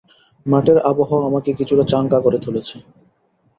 মঠের আবহাওয়া আমাকে কিছুটা চাঙ্গা করে তুলেছে।